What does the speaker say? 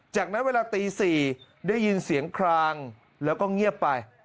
จากนั้นเวลาตี๔ได้ยินเสียงคลางแล้วก็เงียบไป